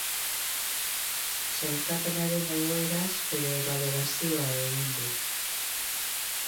Sailkapenaren egoeraz bere balorazioa egin du.